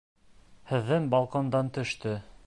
Һеҙҙең балкондан төштө!